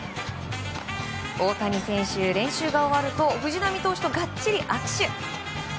大谷選手、練習が終わると藤浪投手とがっちり握手。